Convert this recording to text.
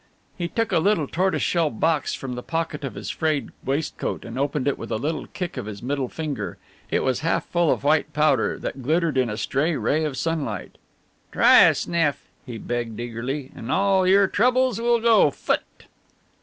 He took a little tortoiseshell box from the pocket of his frayed waistcoat and opened it with a little kick of his middle finger. It was half full of white powder that glittered in a stray ray of sunlight. "Try a sniff," he begged eagerly, "and all your troubles will go phutt!"